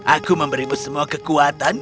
aku memberimu semua kekuatan